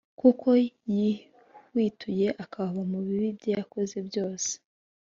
Kuko yihwituye akava mu bibi bye yakoze byose